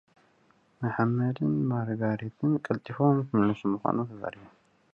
መሓመድን ማርጋሬትን ቀልጢፎም ክምለሱ ምዃኖም ተዛሪቦም።